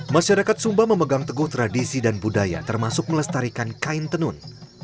masyarakat sumba memegang teguh tradisi dan budaya termasuk melestarikan kain tenun